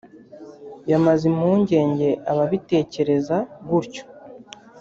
yamaze impungenge ababitekereza gutyo